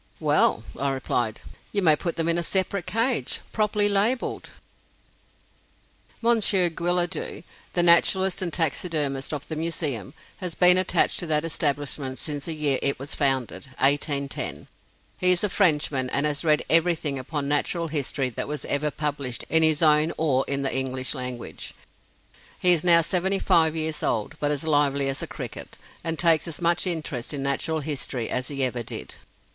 "Well," I replied, "you may put them in a separate cage, properly labeled." Monsieur Guillaudeu, the naturalist and taxidermist of the Museum, has been attached to that establishment since the year it was founded, 1810. He is a Frenchman, and has read everything upon Natural History that was ever published in his own or in the English language. He is now seventy five years old, but is lively as a cricket, and takes as much interest in Natural History as he ever did.